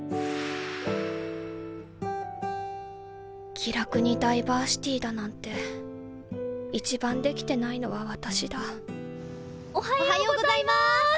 「気楽にダイバーシティー」だなんて一番できてないのは私だおはようございます！